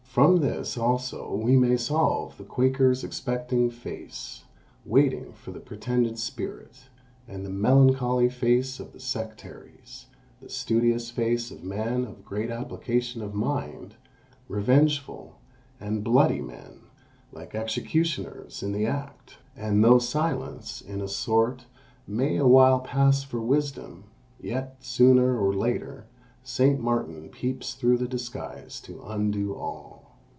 From this also we may solve the Quaker's expecting face, waiting for the pretended spirit; and the melancholy face of the sectaries; the studious face of men of great application of mind; revengeful and bloody men, like executioners in the act: and though silence in a sort may awhile pass for wisdom, yet, sooner or later, Saint Martin peeps through the disguise to undo all.